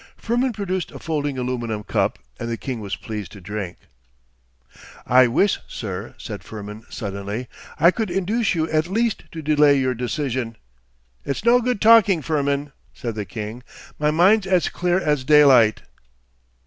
Firmin produced a folding aluminium cup, and the king was pleased to drink. 'I wish, sir,' said Firmin suddenly, 'I could induce you at least to delay your decision——' 'It's no good talking, Firmin,' said the king. 'My mind's as clear as daylight.